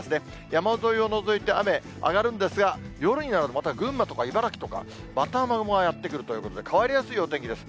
山沿いを除いて雨上がるんですが、夜になると、また群馬とか茨城とか、また雨雲がやって来るということで、変わりやすいお天気です。